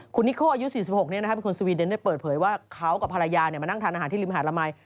คุณนิโคอายุ๔๖เป็นคนสวีเดนได้เปิดเผยว่าเขากับภรรยามานั่งทานอาหารที่ริมหาดละมัย